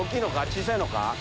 小さいのか？